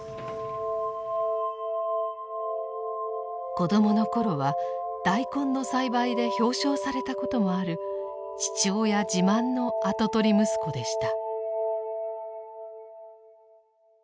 子供の頃は大根の栽培で表彰されたこともある父親自慢の跡取り息子でした。